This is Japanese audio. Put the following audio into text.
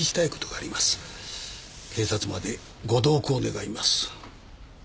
警察までご同行願います。